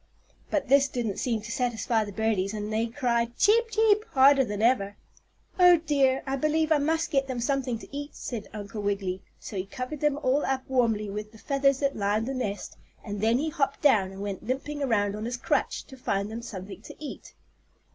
But this didn't seem to satisfy the birdies and they cried "cheep cheep" harder than ever. "Oh, dear! I believe I must get them something to eat," said Uncle Wiggily. So he covered them all up warmly with the feathers that lined the nest, and then he hopped down and went limping around on his crutch to find them something to eat.